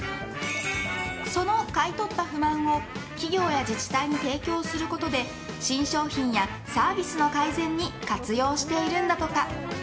その買い取った不満を企業や自治体に提供することで新商品やサービスの改善に活用しているんだとか。